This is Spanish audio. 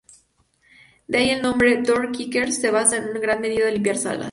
De ahí el nombre, "Door Kickers" se basa en gran medida en limpiar salas.